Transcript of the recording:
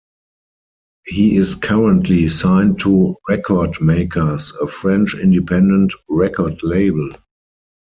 He is currently signed to Record Makers, a French independent record label.